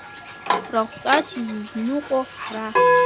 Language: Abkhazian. Рахәҵас изызныҟәо ҳара!